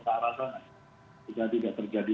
para sana kita tidak terjadi